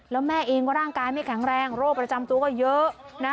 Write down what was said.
แล้วแม่เองก็ร่างกายไม่แข็งแรงโรคประจำตัวก็เยอะนะ